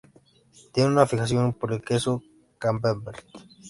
Tiene una fijación por el queso camembert.